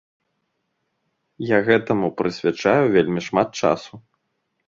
Я гэтаму прысвячаю вельмі шмат часу.